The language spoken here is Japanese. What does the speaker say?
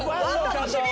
楽しみ！